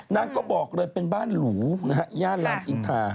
นางก็บอกเลยเป็นบ้านหลูนะฮะญาติลำอินทา